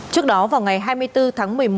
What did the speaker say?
trước đó vào ngày hai mươi bốn tháng một mươi một